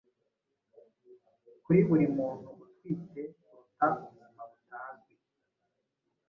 Kuri buri muntu utwite kuruta ubuzima butazwi